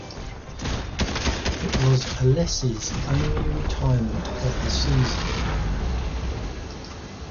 It was Alesi's only retirement of the season.